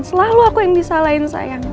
selalu aku yang disalahin saya